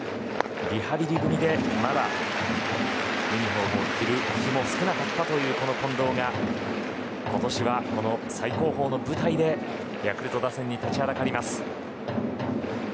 リハビリ組でまだユニホームを着る日も少なかったというこの近藤が今年はこの最高峰の舞台でヤクルト打線に立ちはだかります。